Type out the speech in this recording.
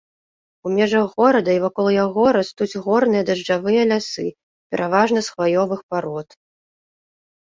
У межах горада і вакол яго растуць горныя дажджавыя лясы, пераважна з хваёвых парод.